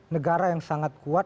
negara yang sangat kuat